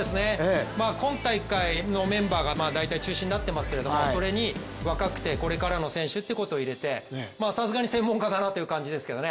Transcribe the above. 今大会のメンバーが大体、中心になってますけどそれに、若くてこれからの選手っていうことを入れてさすがに専門家かなという感じですけどね。